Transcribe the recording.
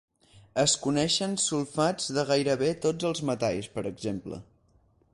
Es coneixen sulfats de gairebé tots els metalls, per exemple.